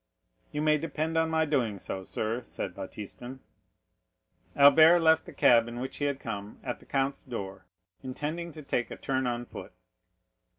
"You may depend on my doing so, sir," said Baptistin. Albert left the cab in which he had come at the count's door, intending to take a turn on foot.